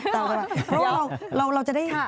เพราะว่าเราจะได้